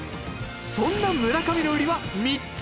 そんな村上の売りは「３つのさけ」。